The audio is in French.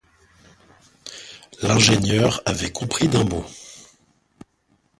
L’ingénieur avait compris d’un mot